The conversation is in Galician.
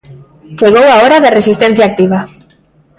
Chegou a hora da resistencia activa.